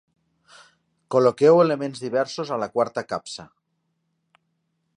Col·loqueu elements diversos a la quarta capsa.